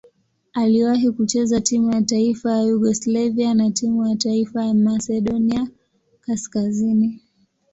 Aliwahi kucheza timu ya taifa ya Yugoslavia na timu ya taifa ya Masedonia Kaskazini.